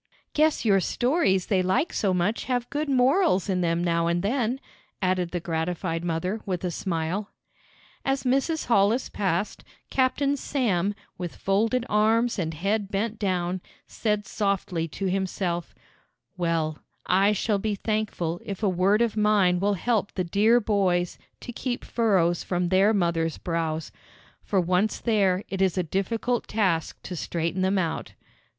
"Guess your stories they like so much have good morals in them now and then," added the gratified mother, with a smile. As Mrs. Hollis passed, Captain Sam, with folded arms and head bent down, said softly to himself, "Well, I shall be thankful if a word of mine will help the dear boys to keep furrows from their mothers' brows; for, once there, it is a difficult task to straighten them out."